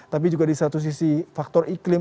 tapi juga di satu sisi faktor iklim